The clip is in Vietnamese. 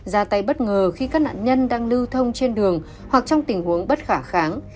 ra tay bất ngờ khi các nạn nhân đang lưu thông trên đường hoặc trong tình huống bất khả kháng